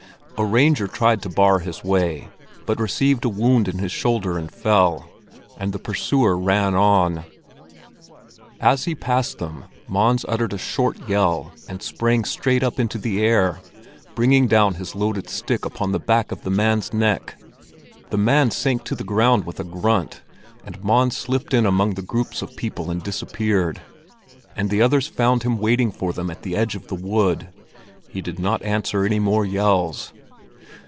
A ranger tried to bar his way, but received a wound in his shoulder and fell, and the pursuer ran on. As he passed them, Mons uttered a short yell and sprang straight up into the air, bringing down his loaded stick upon the back of the man's neck. The man sank to the ground with a grunt, and Mons slipped in among the groups of people and disappeared; and the others found him waiting for them at the edge of the wood. He did not answer any more yells.